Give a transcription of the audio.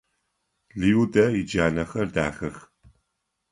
Людэ иджанэхэр дахэх.